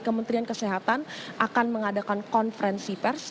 kementerian kesehatan akan mengadakan konferensi pers